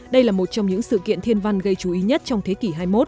đây là một trong những sự kiện thiên văn gây chú ý nhất trong thế kỷ hai mươi một